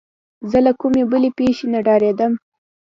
زه له کومې بلې پېښې نه ډارېدم.